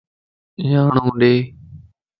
ياڙو ڏي